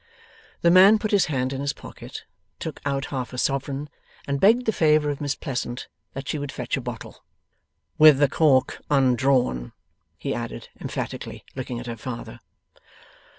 The man put his hand in his pocket, took out half a sovereign, and begged the favour of Miss Pleasant that she would fetch a bottle. 'With the cork undrawn,' he added, emphatically, looking at her father.